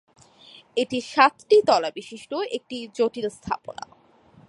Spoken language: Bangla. এটি সাতটি তলা-বিশিষ্ট একটি জটিল স্থাপনা।